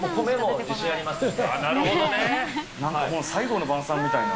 この最後の晩さんみたいな。